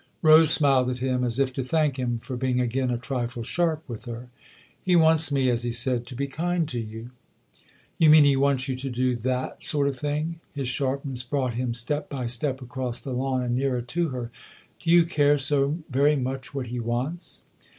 Rose smiled at him as if to thank him for being again a trifle sharp with her. " He wants me, as he said, to be kind to you." You mean he wants you to do that sort of thing ?" His sharpness brought him step by step across the lawn and nearer to her. " Do you care so very much what he wants